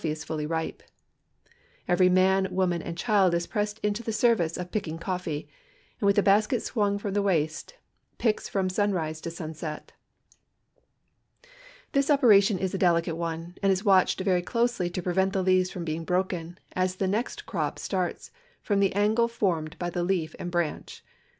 ee is fully rii)e. Kvery man. woman, and child is pressed into the service of picking coiVee. and with 148 COSTA RICA a basket swung from the waist, picks from sunrise to sunset. This operation is a delicate one, and is watched very closely to prevent the leaves from beino broken, as the next crop starts from the angle formed by the leaf and brancli.